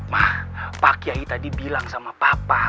mah pak kiai tadi bilang sama papa